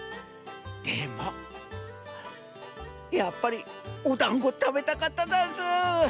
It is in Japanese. でもやっぱりおだんごたべたかったざんす。